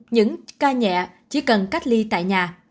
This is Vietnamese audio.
những ca nhẹ chỉ cần cách ly tại nhà